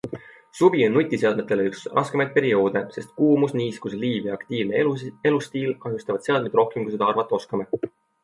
Suvi on nutiseadmetele üks raskemaid perioode, sest kuumus, niiskus, liiv ja aktiivne elustiil kahjustavad seadmeid rohkem, kui seda arvata oskame.